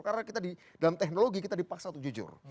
karena kita di dalam teknologi kita dipaksa untuk jujur